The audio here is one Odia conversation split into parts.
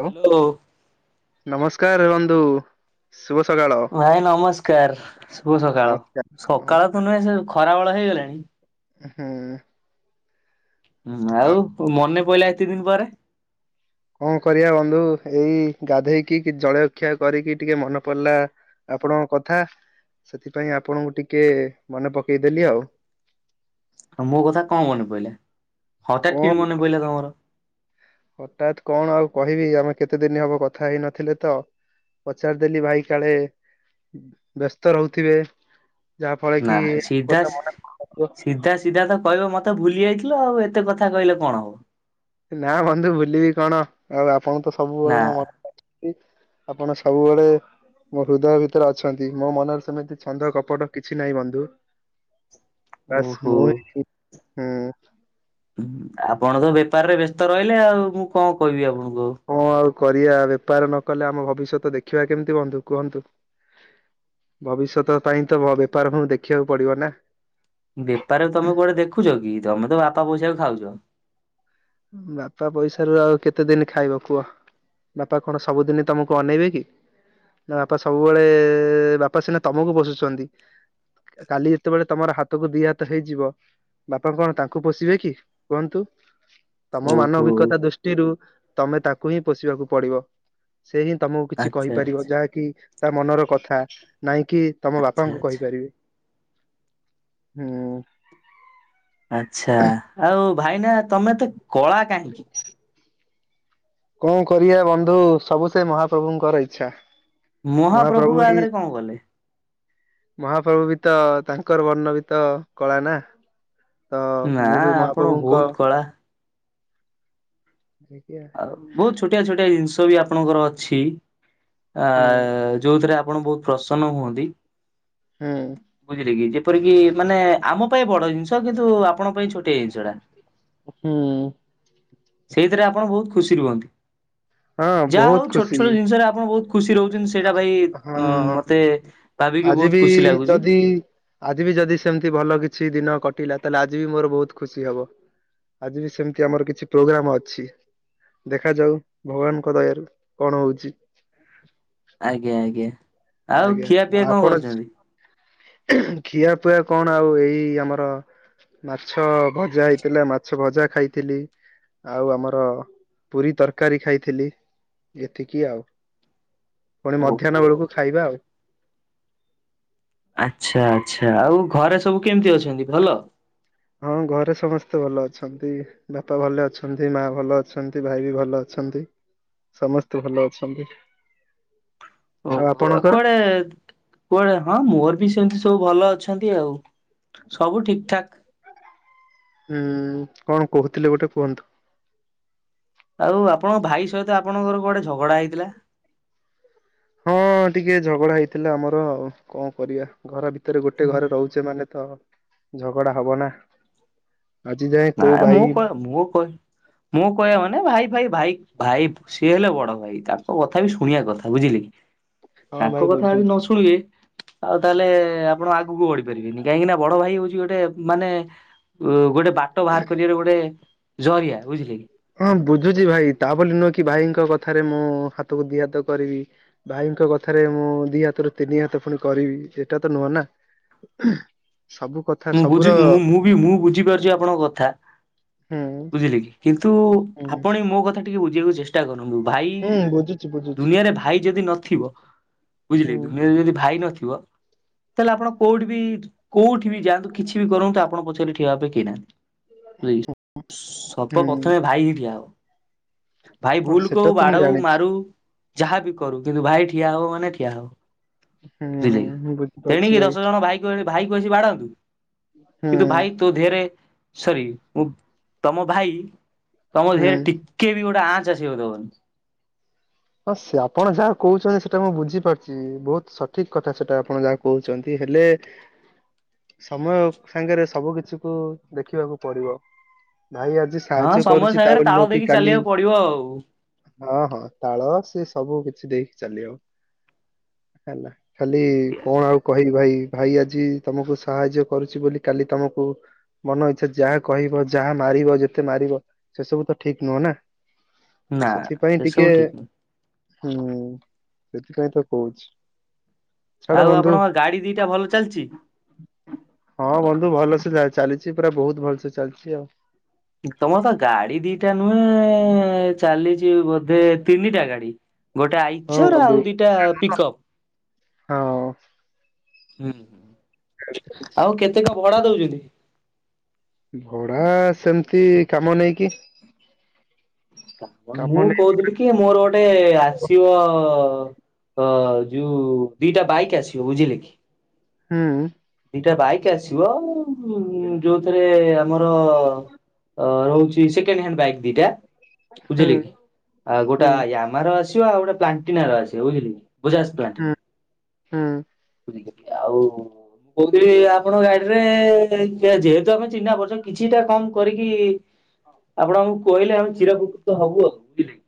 ହାଲୋ ହ୍ୟାଲୋ ନମସ୍କାର ବନ୍ଧୁ ଶୁଭସକାଳ। ଭାଇ ନମସ୍କାର ଶୁଭ ସକାଳ ନମସ୍କାର ସକାଳ ତ ନମସ୍କାର ନୁହେଁ ସେ ଖରା ବେଳ ହେଇଗଲାଣି ହୁଁ ହୁଁ ଆଉ ମନେ ପଡିଲା ଏତି ଦିନ ପରେ। କଣ କରିବା ବନ୍ଧୁ ଏଇ ଗାଧେଇକି କି ଜଳଖିଆ କରିକି ଟିକେ ମନେ ପଡିଲା ଆପଣଙ୍କ କଥା ସେଥିପାଇଁ ଆପଣଙ୍କୁ ଟିକେ ମନେ ପକେଇଦେଲି ଆଉ। ଆଉ ମୋ କଥା କଣ ମନେ ପଡିଲା? କଣ ହଠାତ୍ କଣ ଆଉ କହିବି ଆମେ କେତେ ଦିନ ହବ କଥା ହେଇନଥିଲେ ତ ପଚାରିଦେଲି ଭାଇ କାଳେ ବ୍ୟସ୍ତ ରହୁଥିବେ। ଯାହା ଫଳରେ ନା କି ସିଧା କଥା ମନେ ପଡୁ। ସି ସିଧା କହିବ ମତେ ମତେ ଭୁଲି ଯାଇଥିଲ ଆଉ ଏତେ କଥା କହିଲେ କଣ ହବ। ନା ବନ୍ଧୁ ଭୁଲିବି କଣ ଆଉ ଆପଣଙ୍କୁ ତ ନା ସବୁବେଳେ ମୋ ମନ ରେ ଅଛନ୍ତି। ଆପଣ ସବୁବେଳେ ମୋ ହୃଦୟ ଭିତରେ ଅଛନ୍ତି। ମୋ ମନରେ ସେମିତି ଛନ୍ଦ କପଟ କିଛି ନାହିଁ ବନ୍ଧୁ। [inaudible] ବାସ୍ ଓହୋ। [unintelligible] ହୁଁ। ଆପଣ ତ ବେପାରରେ ବ୍ୟସ୍ତ ରହିଲେ ଆଉ ମୁଁ କଣ କହିବି ଆପଣଙ୍କୁ ଆଉ। ଆଉ କଣ କରିବା ବେପାର ନକଲେ ଆମ ଭବିଷ୍ୟତ ଦେଖିବା କେମିତି ବନ୍ଧୁ କୁହନ୍ତୁ। ଭବିଷ୍ୟତ ପାଇଁ ତ ବେପାର କୁ ଦେଖିବାକୁ ପଡିବ ନା। ବେପାରରେ ତମେ କୁଆଡେ ଦେଖୁଛ କି ତମେ ତ ବାପା ପଇସାକୁ ଖାଉଛ। ବାପା ପଇସାରୁ ଆଉ କେତେ ଦିନ ଖାଇବ କୁହ। ବାପା କଣ ସବୁଦିନ ତମକୁ ଅନେଇବେ କି? ନା ବାପା ସବୁବେଳେ ବାପା ସିନା ତମକୁ ପୋଷୁଛନ୍ତି। କାଲି ଯେତେବେଳେ ତମର ହାତକୁ ଦି ହାତ ହେଇଯିବ ବାପା କଣ ତାଙ୍କୁ ପୋଷିବେ କି କୁହନ୍ତୁ? ତମ ଓହୋ ମାନବିକତା ଦୃଷ୍ଟିରୁ ତମେ ତାକୁ ହିଁ ପୋଷିବାକୁ ପଡିବ। ସେ ହିଁ ତମକୁ କିଛି ଆଚ୍ଛା କହିପାରିବ। ଆଚ୍ଛା। ଯାହାକି ତା ମନର କଥା ନାଇଁ କି ତମ ଆଚ୍ଛା ବାପାଙ୍କୁ ଆଚ୍ଛା କହିପାରିବେ। ହୁଁ। ଆଛା। ଆଉ ଭାଇନା ତମେ ଏତେ କଳା କାହିଁକି? କଣ କରିବା ବନ୍ଧୁ ସବୁ ସେ ମହାପ୍ରଭୁଙ୍କର ଇଚ୍ଛା। ମହାପ୍ରଭୁ ଆ ଦିହ ରେ କଣ କଲେ? ମହାପ୍ରଭୁ ବି ତ ତାଙ୍କର ବର୍ଣ୍ଣ ବି ତ କଳା ନା। ତ ନା ମୁଁ ବି ଆପଣ ମହାପ୍ରଭୁଙ୍କ ବହୁତ କଳା ଦେଖିଆ। ଆଉ ବହୁତ ଛୋଟିଆ ଛୋଟିଆ ଜିନିଷ ବି ଆପଣଙ୍କର ଅଛି। ଆ ହୁଁ ଯୋଉଥିରେ ଆ ଆପଣ ବହୁତ ପ୍ରସନ୍ନ ହୁଅନ୍ତି। ହୁଁ ବୁଝିଲେ କି ଯେ ଏପରିକି ମାନେ ଆମ ପାଇଁ ବଡ ଜିନିଷ କିନ୍ତୁ ଆପଣ ପାଇଁ ଛୋଟିଆ ଜିନିଷ ଟା। ହୁଁ। ସେଇଥିରେ ଆପଣ ବହୁତ ଖୁସି ରୁହନ୍ତି। ହଁ ଯାହା ବହୁତ ହଉ ଛୋଟ ଖୁସି ଛୋଟ ଜିନିଷରେ ଆପଣ ବହୁତ ଖୁସି ରହୁଛନ୍ତି ସେଇଟା ଭାଇ ଉ ହଁ ମତେ ଭାବିକି ଆଜି ବହୁତ ବି ଖୁସି ଲାଗୁଛି ଯଦି ଆଜି ବି ଯଦି ସେମିତି ଭଲ କିଛି ଦିନ କଟିଲା ତାହେଲେ ଆଜି ବି ମୋର ବହୁତ ଖୁସି ହବ। ଆଜି ବି ସେମିତି ଆମର କିଛି ପ୍ରୋଗ୍ରାମ ଅଛି। ଦେଖାଯାଉ ଭଗବାନଙ୍କ ଦୟାରୁ କଣ ହଉଛି। ଆଜ୍ଞା ଆଜ୍ଞା। ଆଉ ଆଜ୍ଞା ଖିଆପିଆ କଣ ଆପଣ କରିଛନ୍ତି? ଖିଆ ପିଆ କଣ ଆଉ ଏଇ ଆମର ମାଛ ଭଜା ହେଇଥିଲା ମାଛ ଭଜା ଖାଇଥିଲି। ଆଉ ଆମର ପୁରୀ ତରକାରୀ ଖାଇଥିଲି। ଏତିକି ଆଉ। ପୁଣି ମଧ୍ୟାହ୍ନ ଓହୋ। ବେଳକୁ [inaudible] ଆଚ୍ଛା ଆଚ୍ଛା। ଆଉ ଘରେ ସବୁ କେମିତି ଅଛନ୍ତି? ଭଲ। ହଁ ଘରେ ସମସ୍ତେ ଭଲ ଅଛନ୍ତି। ବାପା ଭଲ ଅଛନ୍ତି, ମା ଭଲ ଅଛନ୍ତି, ଭାଇ ବି ଭଲ ଅଛ ଅଛନ୍ତି। ସମସ୍ତେ ଭଲ ଅଛନ୍ତି। ଆଉ ଓହୋ ଆପଣଙ୍କର କୁଆଡେ କୁଆଡେ ହଁ ମୋର ବି ସେମତି ସବୁ ଭଲ ଅଛ ଅଛନ୍ତି ଆଉ। ସବୁ ଠିକ୍ ଠାକ୍। ହୁଁ, କଣ କହୁଥିଲେ ଗୋଟେ କୁହନ୍ତୁ। ଆଉ ଆପଣଙ୍କ ଭାଇ ସହିତ ଆପଣଙ୍କର କୁଆଡ଼େ ଝଗଡା ହେଇଥିଲା? ହଁ ଟିକେ ଝଗଡା ହେଇଥିଲା ଆମର ଆଉ। କଣ କରିବା ଘର ଭିତ ଭିତରେ ଗୋଟେ ଘରେ ରହୁଚେ ମାନେ ତ ଝଗଡା ହବ ନା। ଆଜି ଯାଏ ନା କୋଉ ଭାଇ ମୁଁ କହ ମୁଁ କହ ମୁଁ କହିବା ମାନେ ଭାଇ ଫାଇ ଭାଇ ଭାଇ ସିଏ ହେଲେ ବଡ ଭାଇ ତାଙ୍କ କଥା ବି ଶୁଣିବା କଥା ବୁଝିଲେ। ହଁ ଭାଇ ତାଙ୍କ କଥା ବୁଝୁଛି। ଆଜି ନ ଶୁଣିବେ ଆଉ ତାହେଲେ ଆପଣ ଆଗକୁ ବଢି ପାରିବେନି କାହିଁକି ନା ବଡ ଭାଇ ହଉଛି ଗୋଟେ ମାନେ ଉ ଗୋଟେ ବାଟ ବାହାର କରିବାର ଗୋଟେ ଜରିଆ ବୁଝିଲେ କି। ହଁ ବୁଝୁଛି ଭାଇ ତା ବୋଲି ନୁହେଁ କି ଭାଇଙ୍କ କଥାରେ ମୁଁ ହାତକୁ ଦି ହାତ କରିବି ଭାଇ ଙ୍କ କଥାରେ ମୁଁ ଦି ହାତରୁ ତିନି ହାତ ପୁଣି କରିବି ସେଟା ତ ନୁହଁ ନା। ସବୁ କଥା ମୁଁ ସବୁର ବୁଝି ମୁ ମୁଁ ବି ମୁଁ ବୁଝିପାରୁଛି ଆପଣଙ୍କ କଥା। ହୁଁ ବୁଝିଲେ କି କିନ୍ତୁ ହୁଁ ଆପଣଇ ମୋ କଥା ଟିକେ ବୁଝିବାକୁ ଚେଷ୍ଟା କର। ଭାଇ ହୁଁ ବୁଝୁଛି ବୁଝୁଛି ଦୁନିଆରେ ଭାଇ ଯଦି ନଥିବ ବୁଝିଲେ ହୁଁ ଦୁନିଆରେ ଯଦି ଭାଇ ନଥି ତାହେଲେ ଆପଣ କୋଉଠି ବି କୋଉଠି କି ବି ଯାନ୍ତୁ କିଛି ବି କରନ୍ତୁ ଆପଣ ପଛରେ ଠିଆ ଭାବେ କି ନାହାନ୍ତି। ସବ ହୁଁ ପ୍ରଥମେ ଭାଇ ହି ଠିଆ ହବ। ଭାଇ ହଁ ଭୁଲ ସେଟା କହୁ ତ ମୁଁ ବାଡ଼ଉ ଜାଣିଛି ମାରଉ ଯାହାବି କରୁ କିନ୍ତୁ ଭାଇ ଠିଆ ହବ ମାନେ ଠିଆ ହବ। ହୁଁ ହୁଁ ମୁଁ ବୁଝିପାରୁଛି ତେଣିକି ଦଶ ଜଣ ଭାଇ କୁ ଏଣେ ଭାଇ କସି ବାଡାନ୍ତୁ ହୁଁ କିନ୍ତୁ ଭାଇ ତୋ ଧେରେ ସରି ଉ ତମ ଭାଇ ତମ ହୁଁ। ଦେହରେ ଟିକେ ବି ଗୋଟେ ଆଞ୍ଚ ଚାଷିବାକୁ ଦବନି। ହଁ ସେ ଆପଣ ଯାହା କହୁଛନ୍ତି ସେଟା ମୁଁ ବୁଝିପାରୁଚି ବହୁତ ସଠିକ କଥା ସେଟା ଆପଣ ଯାହା କହୁଛନ୍ତି ହେଲେ ସମୟ ସାଙ୍ଗରେ ସବୁ କିଛି କୁ ଦେଖିବାକୁ ପଡିବ। ନାଇଁ ଆଜି ହଁ ସାହାଯ୍ୟ ସମୟ କରୁଛି ତା ସାଙ୍ଗରେ ବୋଲି ତାଳ ନ କି ଦେଇକି କାଲି ଚାଲିବାକୁ ପଡିବ ଆଉ। ହଁ ହଁ। ହଁ ସେ ସବୁ କିଛି ଦେଇକି ଚାଲିଅ ହେଲା। ଖାଲି କଁ ଆଉ କହିବି ଭାଇ। ଭାଇ ଆଜି ତମକୁ ସାହାଯ୍ୟ କରୁଛି ବୋଲି କାଲି ତମକୁ ମନ ଇଛା ଯାହା କହିବ ଯାହା ମା ମାରିବ ଯେତେ ମାରିବ ସେ ସବୁ ତ ଠିକ ନୁହଁ ନା ତ ନା ସେଥିପାଇଁ ସେ ସବୁ ଟିକେ ଠିକ ନୁହେଁ। ହୁଁ ସେଥିପାଇଁ ତ କହୁଛି। ଛାଡ ଆଉ ବନ୍ଧୁ ଆପଣଙ୍କ ଗାଡି ଦିଟା ଭଲ ଚାଲଛି। ସୁ ଭଲସେ ଚା ଚାଲିଛି ପୁରା ବହୁତ ଭଲସେ ଚାଲିଛି ଆଉ। ତମର ତ ଗାଡି ଦିଟା ନୁହେଁ ଚାଲିଛି ବୋଧେ ତିନିଟା ଗାଡି। ଗୋଟେ ଆଇଚର ବନ୍ଧୁ ଆଉ ଦିଟା ପିକ୍ଅପ। ହଁ। ହୁଁ ହୁଁ ହଁ ଆଉ କେତେ କ ଭଡା ଦଉଛନ୍ତି? ଭଡା ସେମିତି କାମ ନେଇକି। ତା ପଣ ମୁଁ କାମ ନେଇ କହୁଥିଲି କି ମୋର ଗୋଟେ ଆସିବ ଅ ଯୋଉ ଦିଟା ବାଇକ୍ ଆସିବ ବୁଝିଲେ କି। ହୁଁ। ଇଟା ବାଇକ୍ ଆସିବ ଉଁ ଯୋଉଥିରେ ଆମର ରହୁ ସେଇ ସେକେଣ୍ଡ ହ୍ୟାଣ୍ଡ ବାଇକ୍ ଦିଟା ହୁଁ ଉଜେଲେକି ଆଉ ଗୋଟା ହୁଁ ୟାମାର ଆସି ଚି ଆଉ ଗୋଟେ ପ୍ଲାଣ୍ଟିନାର ଆସିବ ବୁଝିଲ କି ବଜାଜ ପ୍ଲାଣ୍ଟିନା। ହୁଁ ହୁଁ ଆଉ କହୁଥିଲି ଆପଣଙ୍କ ଗାଡିରେ ଯେ ଯେହେତୁ ଆମେ ଚିହ୍ନା ପରିଛନ କିଛିଟା କମ କରିକି ଆପଣଙ୍କୁ କୁଇଲେ ଆଉ ଚିରାପକୃତ ହବୁ ଆଉ ବୁଝିଲେ କି।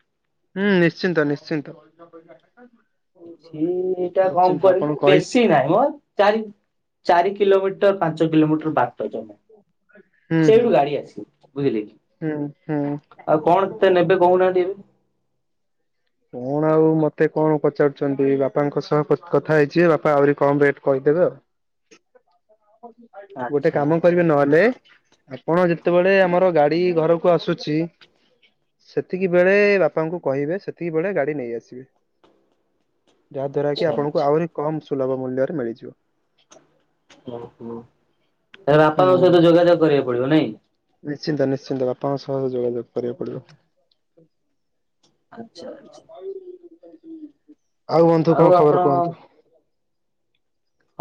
ହୁଁ ନିଶ୍ଚିନ୍ତ ନିଶ୍ଚିନ୍ତ। କିଛିଟା କମ ନିଶ୍ଚିନ୍ତ କରିଲୁ ଆପଣ କହିଲେ ବେଶୀ ନାଇ ମୋ। ଚାରି ଚାରି କିଲୋମିଟର ପାଞ୍ଚ କିଲୋମିଟର ବା ହୁଁ ହୁଁ ସେଉଠୁ ଗାଡି ଆସି ବୁଝିଲେ କି ହୁଁ ହୁଁ ଆଉ କଣ ତେ ନେବେ କହୁନାହାନ୍ତି ଏବେ। କଣ ଆଉ ମତେ କଣ ପଚାରୁଛନ୍ତି ବାପାଙ୍କ ସହ କ କଥା ହେଇଚିଏ ବାପା ଆହୁରି କମ ରେଟ କହି ହେଁବ ଗୋଟେ ଆଚ୍ଛା କାମ ଆଚ୍ଛା କରିବେ ନହେଲେ କଣ ଯେତେବେଳେ ଆମର ଗାଡି ଘରକୁ ଆସୁଚି ସେତିକି ବେଳେ ବାପାଙ୍କୁ କହିବେ ସେ ତୀକି ବେଳେ ଗାଡି ନେଇ ଆସିବେ ଯାହା ଦ୍ଵାରା କି ଆଚ୍ଛା ଆପଣଙ୍କୁ ଆଚ୍ଛା ଆହୁରି କମ୍ ସୁଲଭ ମୂଲ୍ୟରେ ମିଳିଯିବ। ଓହୋ ତାହେଲେ ବାପାଙ୍କ ହୁଁ ସହିତ ଯୋଗାଯୋଗ କରିବାକୁ ପଡିବ ନାଇଁ। ନିଶ୍ଚିନ୍ତ ନିଶ୍ଚିନ୍ତ ବାପାଙ୍କ ଶହ ଯୋଗାଯୋଗ କରିବାକୁ ପଡିବ। ଆଚ୍ଛା ଆଛା। ଆଉ ବନ୍ଧୁ କଁ ଆପଣ ଖବର କୁହନ୍ତୁ।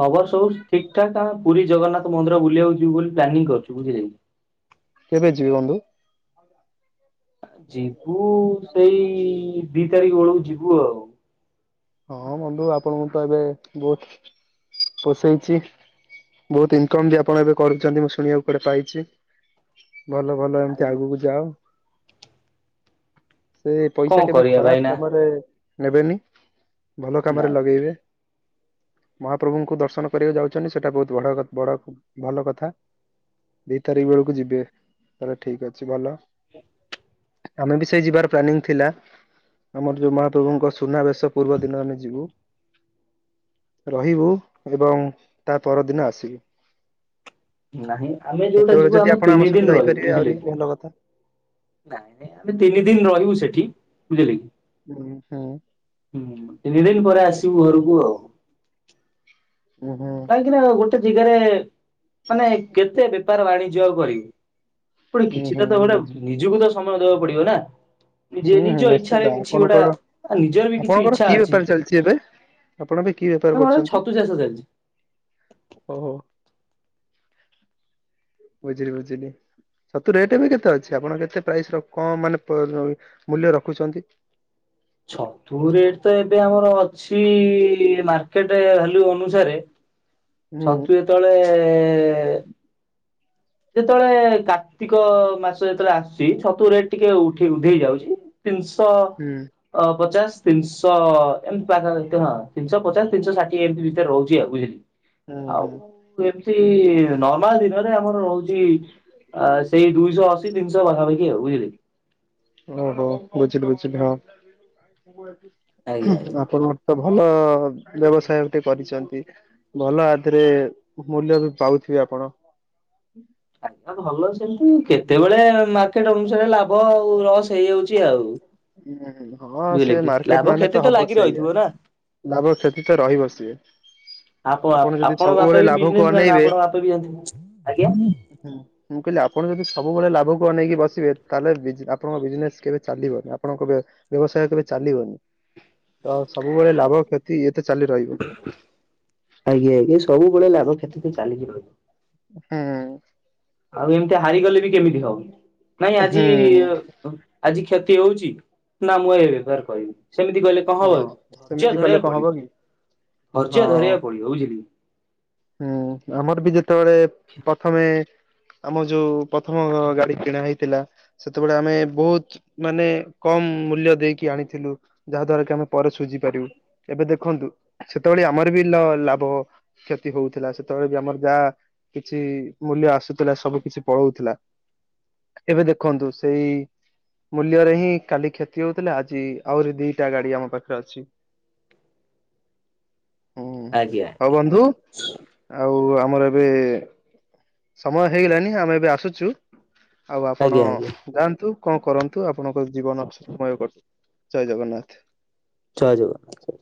ଖବର ସବୁ ଠିକ ଠାକ ଆମେ ପୁରୀ ଜଗନ୍ନାଥ ମନ୍ଦିର ବୁଲିବାକୁ ଯିବୁ ବୋଲି ପ୍ଲାନିଂ କରୁଛୁ ବୁଝିଲେକି। କେବେ ଯିବେ ବନ୍ଧୁ? ଯିବୁ ସେଇ ଦି ତାରିଖ ବେଳକୁ ଯିବୁ ଆଉ। ହଁ ବନ୍ଧୁ ଆପଣଙ୍କୁ ତ ଏବେ ବହୁତ ପୋଷଉଛି। ବହୁତ ଇନକମ ବି ଆପଣ ଏବେ କରୁଛନ୍ତି ମୁଁ ଶୁଣିବାକୁ କୁଆଡେ ପାଇଛି। ଭଲ ଭଲ ଏମିତି ଆଗକୁ ଯାଅ। ସେ କଣ ପଇସା କେବେ କରିବା ଖରାପ ଭାଇନା କାମରେ ନେବେନି ଭଲ କାମରେ ନାଇଁ ଲଗେଇବେ। ମହାପ୍ରଭୁଙ୍କୁ ଦର୍ଶନ କରିବାକୁ ଯାଉଛନ୍ତି ସେଇଟା ବହୁତ ଭଡ ବଡ ଭଲ କଥା। ଦି ତାରିଖ ବେଳକୁ ଯିବେ ତାହେଲେ ଠିକ ଅଛି ଭଲ। ଆମେ ବି ସେଇ ଯିବାର ପ୍ଲାନିଂ ଥିଲା ଆମର ଯୋଉ ମହାପ୍ରଭୁଙ୍କ ସୁନାବେଶ। ପୂର୍ବ ଦିନ ଆମେ ଯିବୁ। ରହିବୁ ଏବଂ ତା ପରଦିନ ଆସିବୁ। ନାହିଁ ଆମେ ତ ଯୋଉଟା ସେତେବେଳେ ଯିବୁ ଯଦି ଆମେ ଆପଣ ତିନି ଆମ ଦିନ ସାଥେ ରହିବୁ ଯାଇପାରିବେ ବୁଝିଲେ ଆହୁରି କି। ଭଲ କଥା। ନାଇଁ ନାଇଁ ଆମେ ତିନି ଦିନ ରହିବୁ ସେଠି ବୁଝିହେଲା କି। ହୁଁ ହୁଁ। ହୁଁ ତିନି ଦିନ ପରେ ଆସିବୁ ଘରକୁ ଆଉ। ଉଁ ହୁଁ କାହିଁକି ନା ଗୋଟେ ଜାଗାରେ ମାନେ କେତେ ବେପାର ବାଣିଜ୍ୟ ଆଉ କରିବୁ। ପଣି ଉଁ କିଛିଟା ହୁଁ ତ ଗୋଟ ବୁଝି ନିଜକୁ ତ ସମୟ ଦବାକୁ ପଡିବ ନା। ନିଜେ ହୁଁ ହୁଁ ନିଜ ନିଶ୍ଚିନ୍ତ ଇଚ୍ଛାରେ କିଛି ଗୋଟା ଆପଣଙ୍କର ଆଉ ନିଜର ବି କିଛି ଆପଣଙ୍କର ଇଚ୍ଛା କି ଅଛି। ବେପାର ଚାଲିଛି ଏବେ ଆପଣ ଏବେ କି ବେପାର ଆମର କରୁଛନ୍ତି ଛତୁ ଚାଷ ଚାଲିଛି। ଓହୋ। ବୁଝିଲି ବୁଝିଲି। ଛତୁ ରେଟ ଏବେ କେତେ ଅଛି ଆପଣ କେତେ ପ୍ରାଇସ ର କଁ ମାନେ ମୂଲ୍ୟ ରଖୁଛନ୍ତି। [inaudible] ଛତୁ ରେଟ ତ ଏବେ ଆମର ଅଛି ମାର୍କେଟ ଭାଲ୍ୟୁ ଅନୁସାରେ। ହୁଁ ଛତୁ ଯେତେବେଳେ। ଯେତେବେଳେ କାର୍ତ୍ତିକ ମାସ ଯେତେବେଳେ ଆସୁଛି ଛତୁ ରେଟ ଟିକେ ଉଠି ଉଧେଇ ଯାଉଛି। ତିନିଶ ହୁଁ ଅ ପଚାଶ। ତିନିଶ ଏମତି ପାଖା ହଁ ତିନିଶ ପଚାଶ ତିନିଶହ ଷାଠିଏ ଏମିତି ଭିତରେ ରହୁଛି ଆଉ ବୁଝିଲେ କି। ହୁଁ ଆଉ ହୁଁ। ଏମତି ନର୍ମାଲ ଦିନରେ ଆମର ର ହୁଚି ସେଇ ଦୁଇଶ ଅଶି ତିନିଶ ପାଖାପାଖି ଆଉ ବୁଝିଲେ କି। ଓହୋ ବୁଝିଲି ବୁଝିଲି ହଁ ଆଜ୍ଞା ଆଜ୍ଞା। ଆପଣ। ତ ଭଲ ବ୍ୟବସାୟ ଗୋଟେ କରିଛନ୍ତି ଭଲ ଆଧିଏରେ ମୂଲ୍ୟ ବି ପାଉ ଥିବେ ଆପଣ। ଆଜ୍ଞା ଭଲ ସେମତି କେତେବେଳେ ମାର୍କେଟ ଅନୁସାରେ ଲାଭ ଆଉ ଲସ ହେଇଯାଉଛି। ଚି ଆଉ। ହୁଁ ହଁ ବୁଝିଲେ ସେ କି ଲାଭ ମାର୍କେଟ ମାନେ କ୍ଷତି ତ ହବ ଲାଗି ସେଇଆ ରହିଥିବ ନା। ଲାଭ କ୍ଷତି ତ ରହିବ ସିଏ। ଆପ ଆପଣ ଯଦି ଆପଣଙ୍କ ସବୁବେଳେ ବାପ ବି ଲାଭକୁ ବିଜନେସ ମ୍ୟାନ୍ ଅନେଇବେ ଆପଣଙ୍କ ବାପା ବି ଏମତି ଆଜ୍ଞା। ହୁଁ ମୁଁ କହିଲି ଆପଣ ଯଦି ସବୁବେଳେ ଲାଭକୁ ଅନେଇକି ବସିବେ ତାହେଲେ ବୀଜ ଆପଣଙ୍କ ବିଜନେସ୍ କେବେ। ଚାଲିବନି ଆପଣଙ୍କ ବ୍ୟ ବ୍ୟବସାୟ କେବେ ଚାଲିବନି। ତ ସବୁବେଳେ ଲାଭ କ୍ଷତି ଇଏ ତ ଚାଲି ରହିବ। ଆଜ୍ଞା ଆଜ୍ଞା ସବୁବେଳେ ଲାଭ କ୍ଷତି ତ ଚାଲିିକି ରହିବ। ହୁଁ। ଆଉ ଏମିତି ହାରିଗଲେ ବି କେମିତି ହବ ନାଇଁ ଆଜି ହୁଁ ଆଜି କ୍ଷତି ହଉଛି ନା ମୁଁ ଏ ବେପାର କହିବି। ସେମିତି କହିଲେ କଣ ହବ ହଁ। ଧର୍ଯ୍ୟା ସେମିତି କଲେ ଧରିବାକୁ କଣ ହବ ପଡିବ କି ହଁ ଧର୍ଯ୍ୟା ଧରିବାକୁ ପଡିବ ବୁଝିଲେ କି? ହୁଁ ଆମର ବି ଯେତେବେଳେ ପ୍ରଥମେ ଆମ ଯୋଉ ପ୍ରଥମ ଗାଡି କିଣା ହେଇଥିଲା ସେତେବେଳେ ଆମେ ବହୁତ ମାନେ କମ୍ ମୂଲ୍ୟ ଦେଇକି ଆଣିଥିଲୁ ଯାହା ଦ୍ଵାରା କି ଆମେ ପରେ ସୁଝି ପାରିବୁ ଏବେ ଦେଖନ୍ତୁ ସେତେବେଳେ ଆମର ଲାଭ ହଉଥିଲା ସେତେବେଳେ ବି ଆମର ଯାହା କିଛି ମୂଲ୍ୟ ଆସୁଥିଲା ସବୁ କିଛି ପଳଉଥିଲା। ଏବେ ଦେଖନ୍ତୁ ସେଇ ମୂଲ୍ୟରେ ହିଁ କାଲି କ୍ଷତି ହଉଥିଲା ଆଜି ଆହୁରି ଦିଟା ଗାଡି ଆମ ପାଖରେ ଅଛି। [inaudible] ଆଜ୍ଞା ହଉ ଆଜ୍ଞା। ବନ୍ଧୁ ଆଉ ଆମର ଏବେ ସମୟ ହେଇଗଲାଣିି ଆମେ ଏବେ ଆସୁଛୁ। ଆଉ ଆପଣ ଆଜ୍ଞା ଆଜ୍ଞା ଜୟ ଯାଆନ୍ତୁ। କଣ କରନ୍ତୁ ଆପଣଙ୍କ ଜୀବନସମୟ ଜୟ ଜଗନ୍ନାଥ। ଜୟ ଜଗନ୍ନାଥ।